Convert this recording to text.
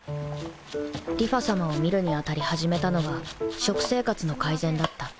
梨花さまを見るにあたり始めたのが食生活の改善だった